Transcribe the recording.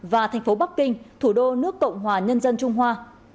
và thành phố bắc kinh thủ đô nước cộng hòa nhân dân trung hoa